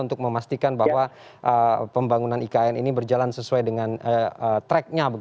untuk memastikan bahwa pembangunan ikn ini berjalan sesuai dengan tracknya